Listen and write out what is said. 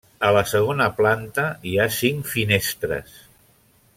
A la segona planta hi ha cinc finestres.